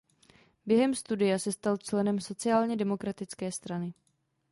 Během studia se stal členem sociálně demokratické strany.